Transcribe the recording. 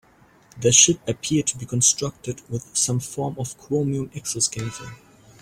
The ship appeared to be constructed with some form of chromium exoskeleton.